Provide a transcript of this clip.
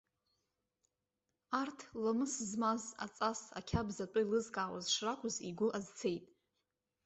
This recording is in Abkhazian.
Арҭ ламыс змаз, аҵас, ақьабз атәы еилызкаауаз шракәыз игәы азцеит.